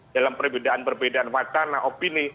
dalam perbedaan perbedaan wacana opini